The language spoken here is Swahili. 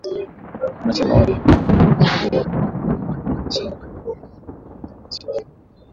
Wanachama wa ki Ripabliki kwenye jopo hilo walikuwa wameashiria kwamba wangempinga katika masuala mbalimbali